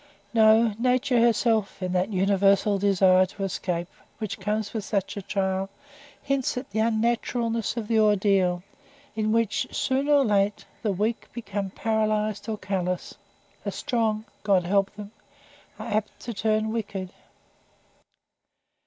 No; Nature herself, in that universal desire to escape, which comes with such a trial, hints at the unnaturalness of the ordeal; in which, soon or late, the weak become paralysed or callous; the strong God help them! are apt to turn wicked.